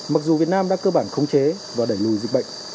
mặc dù việt nam đã cơ bản khống chế và đẩy lùi dịch bệnh